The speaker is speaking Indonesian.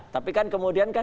tapi kan kemudian kan